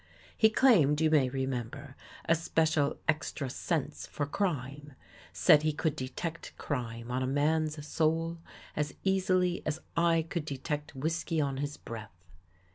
He claimed, you may remember, a special extra sense for crime; said he could detect crime on a man's soul as easily as I could detect whisky on his breath.